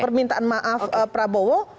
permintaan maaf prabowo